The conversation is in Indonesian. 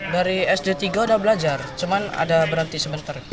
dari sd tiga udah belajar cuma ada berhenti sebentar